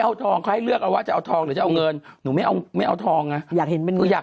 เอาทองเขาให้เลือกเอาว่าจะเอาทองหรือจะเอาเงินหนูไม่เอาไม่เอาทองไงอยากเห็นเป็นหนูอยาก